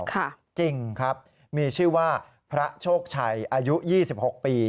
จริงครับมีชื่อว่าพระโชคชัยอายุ๒๖ปี